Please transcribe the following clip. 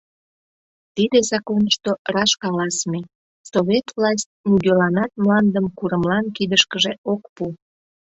Тиде законышто раш каласыме: Совет власть нигӧланат мландым курымлан кидышкыже ок пу.